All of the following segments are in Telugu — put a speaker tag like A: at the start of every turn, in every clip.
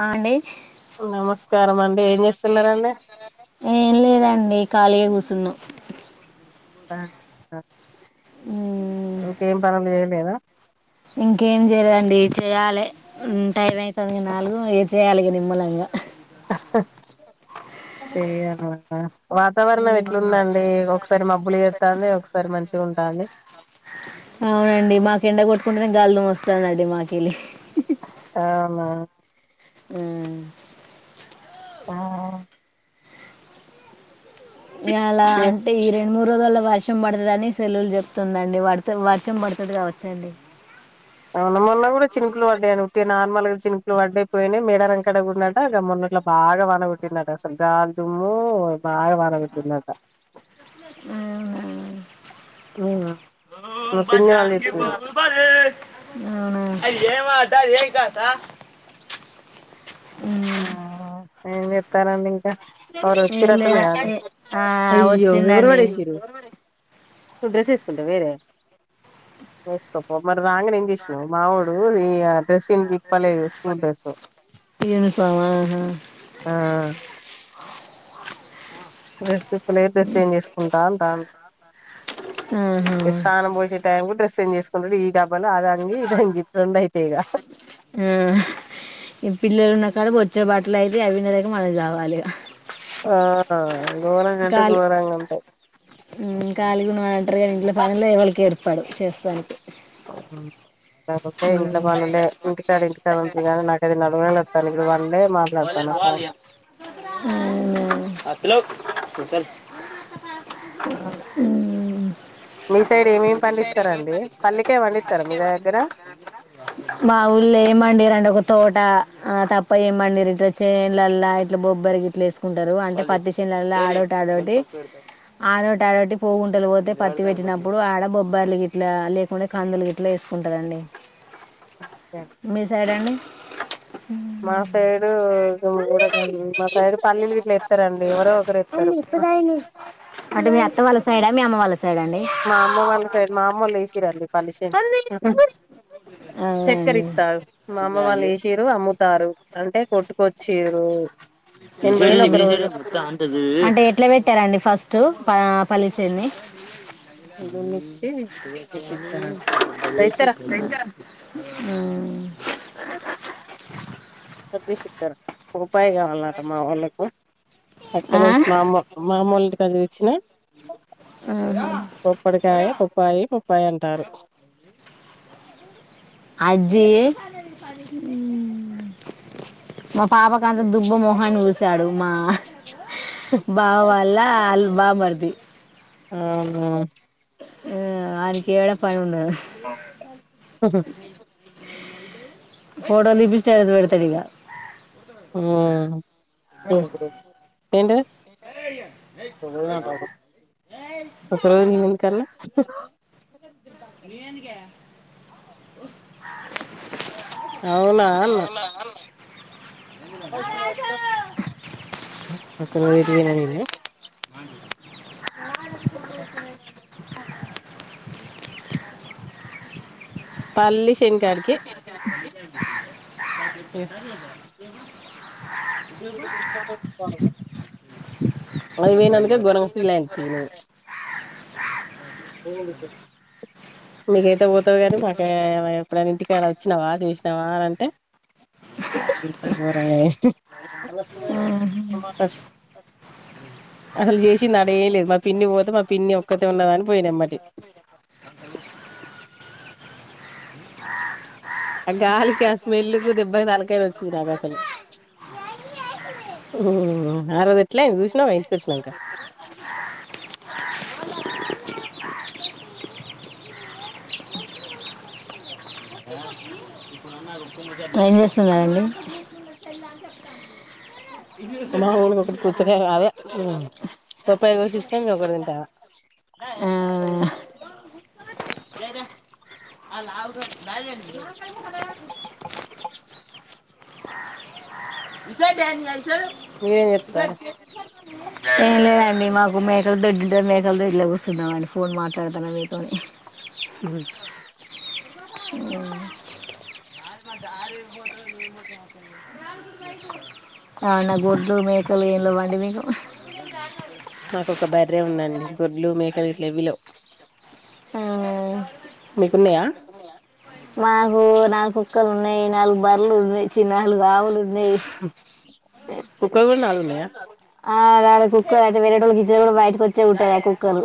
A: అ అండి
B: నమస్కారం అండి ఏం చేస్తున్నారండి
A: ఏం లేదండి. ఖాళీగా కూసున్నా
B: ప ఆ
A: మ్మ్
B: ఇంకేం పనులు చేయలేద
A: ఇంకేం జయదండి చెయ్యాలి టైం అయిత్ తదిమా నాలుగు ఏ చేయాలి నిమ్మలంగా
B: సెయ్యాలి గా
A: హ్మ్
B: మబ్బులు చేత్తాంది ఒకసారి మంచిగా ఉంటాంది
A: అహ్ అవునండి. మాకు ఎండ కొట్ట్ కుండనే గాల్లో వస్తదండి మా కెళ్ళి
B: ఆమ్మా
A: హ్మ్
B: [unintelligible]
A: ఎలా అంటే ఈ రెం మూడు రోజుల్లో వర్షం పడుతుదని సెల్లులు చెప్తుందండి వడుత వర్షం పడుతది కావచ్చండి
B: అవును మొన్న కూడా చినుకులు పడ్డాయిను ఉట్టి నార్మల్గా చినుకులు వడ్డాయి పోయినాయి మెడారం కాడ గున్నట గా మొన్నట్ల బాగా వానగొట్టిండట అసలు గాల్దుమ్ము బాగా వాన గొట్టిందటా ఊ మా పిన్ని వాళ్ళు చెప్పిర్రు
A: అవునా అవునా.
B: ఏం జేత్ తారండింక ఎవురో
A: ఏం
B: వచ్చిరటును
A: లేదా
B: గా
A: ఏ ఆ
B: అయ్యో ఎవరు
A: వచ్చిండండి
B: వాడేసిర్రు ను డ్రెస్స్ ఏసుకుంట వేరే, వేసుకోపో మ రాంగనే ఎంజెస్నవ్ మావొడు ఈ ఆ డ్రెస్స్ ఎం ఇప్పలేదు స్కూల్ డస్సు
A: ఇని ఫామ
B: డ్రెస్స్ ఇప్పలే డెస్సేంజ్ చేసుకుంటాంటా,
A: ఆహా
B: ఈ స్సానం పోజే టైం కూ డెస్సేంజెస్ ఫల్ రెడి ఈట
A: ఆ హ్ ఇ పిల్లలు ఉన్నకాడ బొచ్చడు బ ఇట్లైతే అవి వింనలేక మనం చవాలిగ
B: ఆ అ గోరంగ అంటే గోరంగ అంటయ్
A: ఉ కాలిగుంనం అంట్రరు యనీ ఇంట్లో పనిలే ఎవళికి ఏర్పాడవ్ చేస్సానికి
B: ఓమ్ కాపోత్తే ఇంట్లో వనులే ఇంటికాడ ఇంటికాడ ఇంగాని నాకు అది నలువనొత్తాంది నో
A: ఉ ఇక ఉ
B: మీస్ పండిస్తారా మీ దగ్గర
A: మా ఊళ్ళో ఏం పండియరండి ఒక తోట ఆ తప్ప ఏమండిరు ఇట చేన్ ల్లల ఇట్లా బొబ్బరి ఇట్ల ఏసుకుంటారు అంటే పత్తి చేన్ ల్లల ఆడోటి ఆడోటి, ఆడోటి ఆడోటి, పువ్వుంటలు పోతే పత్తి పెట్టినప్పుడు ఆడ బొబ్బార్లు గిట్ల లేకుండె కందులు ఇట్ల ఏసుకుంటరండి. మీ సైడండి. అ
B: మా సైడు [unintelligible] మా సైడు పల్ ఇట్ల ఎప్తరండి ఎవరో ఒకరు ఎప్తరు.
A: అంటే మీ అత్త వాళ్ళ సైడా మీ అమ్మ వాళ్ళ సైడా అండి
B: మా అమ్మ వాళ్ళ సైడ్ మామ్మొళ్ళు ఏసిర్రండి పల్లి సేను అ చక్కర్
A: అవునండి
B: ఇత్తవు, మాఅమ్మ వాళ్ళు ఏసిరు అమ్ము నేను పోయిన ఒక రోజు
A: అంటే ఎట్ల పెట్టారండి ఫస్ట్ పా పల్లి చేని
B: ఇదో మిచ్చి, ఇత్తిచ్చర ది ఇత్తర
A: ఉ
B: చబ్ది సిత్తరు ఒ ప్పయి కావాల్ నాకు మా ఒళ్ళకు
A: ఆ?
B: అట్టలేసి మామూ మామూలుగా సదివిచ్చినా
A: ఆహా.
B: పొప్పడికాయ పొప్పాయి పొప్పాయి అంటారు.
A: అజ్జి మా పాపకు అంత దుబ్బ మొహన్ని పూసాడు మా బావ వాళ్ళ ఆళ్ళ బావమర్ది.
B: అవునా.
A: ఉమ్ ఆనికి ఏడ పని ఉండదు.
B: హ హుహ్
A: ఫోటోలు తీపిస్తే ఎజబెడతడిగా
B: ఉమ్ [inaudible] ఏంటది. ఒక్కరోజు అని నేనెందుకు అన్నా. [inaudible]
A: ఓ
B: అవునా అన్నా. ఆ [inaudible] పోయింది ఈమె. [inaudible] పల్లిష్
A: [inaudible] కవ్ [inaudible]
B: అది పోయినందుకే గోరంగా ఫీల్ అయినవుతి నువ్వు. మీకైతే పోతవు కానీ మాకు ఎప్పుడైనా ఇంటికాడా వచ్చినావా తీసినావా అని అంటే అట్లుంటది మరి అయినే
A: ఆ,
B: అసలు చేసింది ఆడ ఏం లేదు. మా పిన్ని పోతే మా పిన్ని ఒక్కతే ఉన్నదని పోయిన ఎమ్మటి. ఆ గాలికి ఆ స్మెల్లుకు దెబ్బకు తలకాయ నొచ్చింది నాకు అసలు. ఉమ్ ఆరోజు ఎట్లా అయింది చూసినవుగా ఇంటికి వచ్చినంక.
A: ఎం చేస్తున్నారండి.
B: మా మామకి ఒకటి పుచ్చకాయ అదే పొప్పాయ కోసి ఇచ్చిన నేను ఒకటి తింటాన.
A: ఆ,
B: [inaudible] మీరేం చెత్తార్రు.
A: ఏం లేదండి మాకు మేకల దొడ్డుంటది. మేకల దొడ్లో కూసున్నామండి. ఫోన్ మాట్లాడుతాన్న మీతోని.
B: ఉమ్ [inaudible] [inaudible]
A: అవునా గొడ్లు, మేకలు ఏం లేవండి మీకు.
B: నాకు ఒక బర్రె ఉందండి. గొడ్లు, మేకలు గిట్ల ఏవీ లేవు.
A: ఆ,
B: మీకున్నయా?
A: మాకు నాలుగు కుక్కలు ఉన్నయి. నాలుగు బర్రెలు ఉన్నయి. చి నాలుగు ఆవులు ఉన్నాయి
B: చుక్కగులు నయా
A: ఆ అ కుక్కర్ అ వేరేట గిజర్ కూడా బయటకి వచ్చేట్టదా కుక్కరు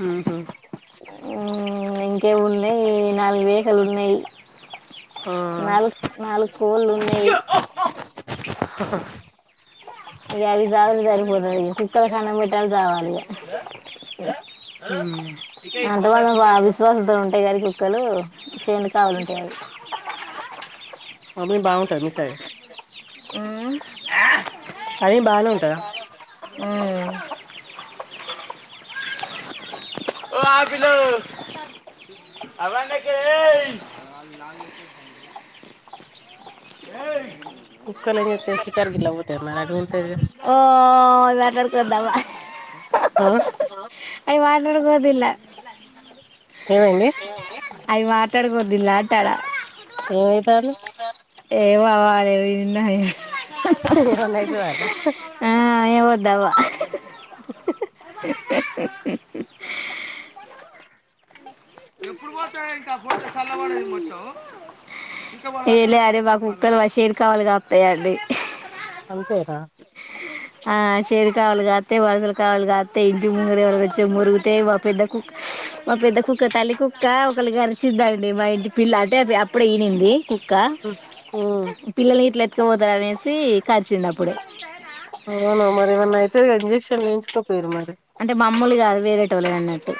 B: హమ్
A: ఇంకేమున్నాయి నాలుగు వేహికలు ఉన్నాయి
B: ఆ
A: నాలు నాలుగు వాళ్ళు ఉన్నాయి
B: హా హా
A: ఇది అవికాద బ కుక్కర్ కనం పెయట్టాలాలు చావాలి
B: మ్మ్
A: క వా బా విశ్వాసత ఉంటాయి గారి మక్కలు చేని కావలు ఉంటావి
B: అ మీ బాగుంటది మీసయి
A: హమ్
B: బాగానే ఉంటందా
A: హమ్ ఓ ఆజలో అవాళ్లకే ఏ
B: కుూబ్ కాలని శికార గలాబతే మరాంటి ఉంటంట
A: యాదవ హే అయ్య వార్నూర్కిదలా అ
B: ఏమండి
A: అవి మాట్లాడుకోద్దుల్లాలాటడా
B: ఏమీ అంటారు
A: ఏవవళ ఏవిన్నా
B: అన్దు వారా
A: దవా హే హా హమ్ ఎప్పుడు పోతే ఇంకా ఫోటో చలవడదు మొత్తం ఏలే అరే బ కుక్కలు వషేరి కావాలిగా వస్తాయంండి
B: అంతేరా అ
A: కావలు కాతే వాళ్తల్ కావలు కాత ఇంటి ముర వల జమ్మూ రతే వాపు ఇద్ద కు మా పెద్ద కుక్క తల్లి కుక్క ఒకళ గరిచద్దాండి మా ఇంటి పిల్ల అంటే ఇప్పుడు ఈనంది కుక్క
B: మ్మ్
A: పిల్లల్ని ఇట్ల పోతా అనేసి కరిచింది అప్పుడు
B: అవును మరి ఏమన్నా అయితే ఇంజక్షన్ ఎయిన్చుకోపోయరు మరి
A: అంటే మామ్మూలు కాదు వేరేటోళ్ళే అన్నట్టు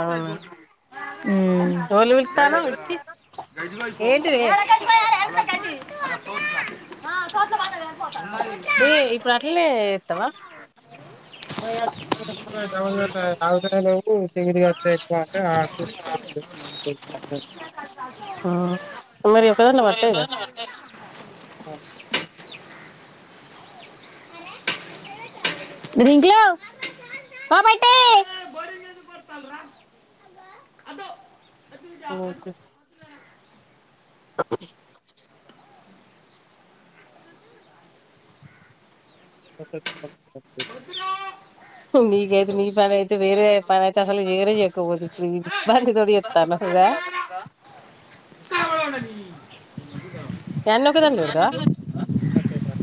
B: అవునా ఎవల్ని పిలుత్తాన్నావ్ విక్కీ ఏంటిదే ఏ ఇప్పుడు అట్లనే ఎత్తవా ఆ మరీ ఒక్కదంట్లో పట్టయిగా
A: రింకులు పో బయటి
B: మేమైతే చెప్పు మీకయితే మీ ఫ్యాన్ అయితే వేరే పనైతే అసలు చేయనే చేయకపోతివి ఇబ్బంది తోటి చేతన్నవ్ కదా నన్నొకదానే తిడతవా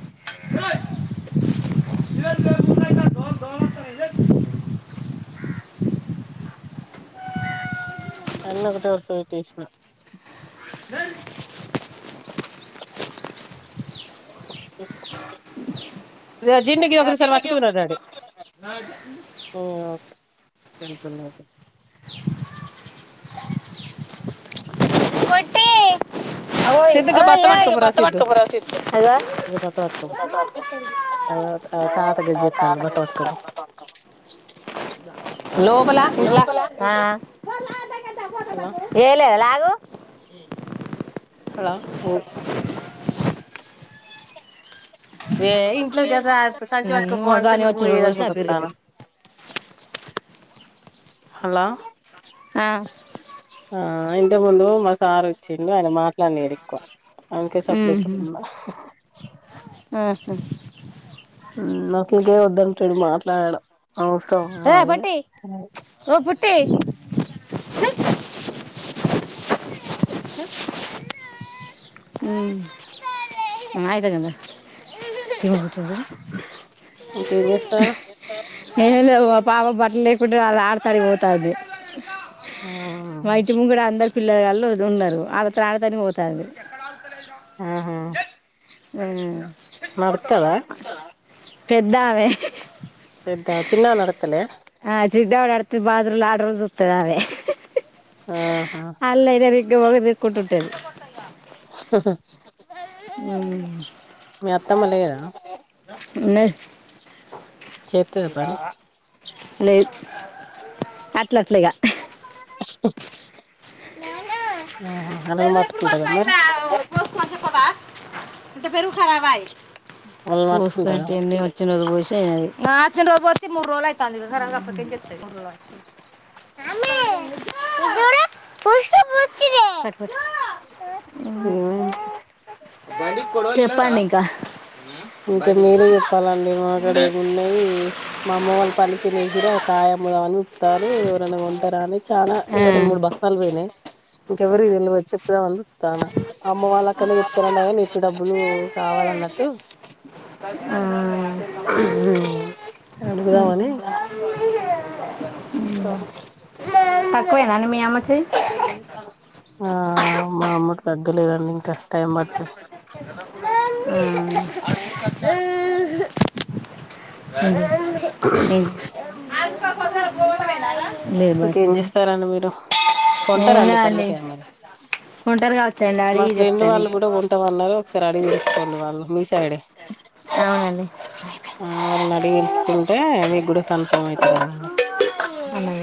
B: అన్ని ఒకటే వస్తాయ్ తీసిన జీడుకి ఒకరిసారి పట్టుకున్నాదది
A: పొట్టీ
B: సిద్ధగా భత పట్కోబోరా సిద్ధు
A: పట్టుకోపోరా సిద్ధు అదిగో
B: బత వాట్కోబ తాతగజ జితాన బత బట్కోబ లోపలా ఇంట్లా
A: ఆ
B: హలో
A: ఏలే లాగు
B: హలో ఏ ఇంట్లో కదా సంచి పటుక పో అంటే
A: కానీ
B: నువ్వు
A: వచ్చిన రోజు వచ్చిన
B: ఏదనుకుంట
A: పెరిగింది
B: వస్తానవ్ హలో
A: ఆ
B: ఆ ఇంటి ముందు మా సార్ వచ్చిండు ఆయన మాట్లాడినిడు కాస్ అంతే సప్పలే
A: ఉమ్మ్.
B: చెకుండా
A: ఆహా.
B: అసలుకే వద్దంట చెడు మాట్లాడడంవసరం
A: ఏ
B: అదే
A: పొట్టి హ అ అవు అయతేగంద సిరుబచందంది
B: ఇంకేం చేస్తానవ్
A: ఏ పాప బట్టలుక్బట్ర అలా ఆడతడి ఓతాది మాైటి ము కూడా అందరి పిల్లగల్లోత్ ఉండదు వాళ్ళు ప్రార్ధనకి పోతారు
B: ఆహా
A: ఉ కొ పడ్త
B: నడుత్తదా
A: వన్నవ పెద్దవే
B: పెద్ద చిన్న నడుతులే
A: జిడ్ డ ఆడుతుది బాద్రల్ ఆడ్రల్ స్తోది అవే
B: ఆహా
A: ది కుట్ట్టేది
B: ఉ
A: అవు
B: మీ అత్తమ్మ లేదా
A: ఉ లేదు
B: చేత్తద్ పనీ
A: లేదు అట్లాట్లాగా
B: ఆ అన మాట్కుంటదమ్ మరి
A: కోష్మా పబతే పరుఖరాబాయి
B: వాళ్ళని
A: పూసుకంట
B: పట్టుకుంటదా
A: ఎన్ని వచ్చి నఅది పోస్ సే నచ్చ రోజు పోతే మూడు రోజులు అయితంది గర గప్పకి చెస్త ఉ చూడు
B: ఏమైంది
A: చెప్పండి ఇంకా
B: ఇంకా మీరే చెప్పాలండి మకాడ
A: ఉండే
B: ఏ ఉండేది మా అమ్మ వాళ్ళు పలిసనిసిర కాయ అమ్ముదామని ఉతారు ఎవరైనా కొంటారా అని చాలా
A: ఆ,
B: ఎవరైనా మూడు బస్స పోయినాయి ఇంకెవరికి తెల్వదు చేప్ [inaudible] తాను అమ్మ వాళ్ళు అక్కడనే చెప్తారండగా నీట్ డబ్బులు కావాల అన్నట్టు
A: ఆ,
B: అడుగుదాం
A: ఉమ్.
B: అని
A: తక్కువేనండి మీ అమ్మచ్చి
B: ఆ మా అమ్మ లేదండి ఇంకా టైమ్ పడత
A: హ్మ్మ్ ఏం లేదు భాష
B: ఇంకేం చేస్తారండి మీరు
A: ఏం
B: కొంటారండి
A: కాదండి
B: పల్లికాయ మరి
A: [inaudible]
B: మా ఫ్రెండ్ వాళ్ళు కూడా కొంటాం అన్నారు ఒకసారి అడిగి తెలుసుకోండి వాళ్ళు మీ సైడ్
A: అవునండి
B: ఆ మరి అడిగి తెలుసుకుంటే మీకు కూడా కన్ఫామ్ అవుతుంది కదండీ
A: అలాగే